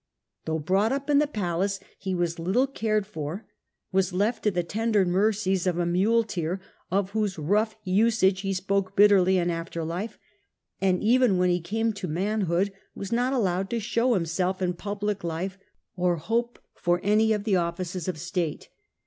Though brought up in the palace he was little cared for, was left to the tender mercies of a muleteer, of whose rough usage he spoke bitterly in after life, and even when he came to manhood was not al lowed to show himself in public life or hope for any ot the offices of state.